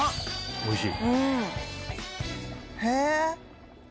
おいしい？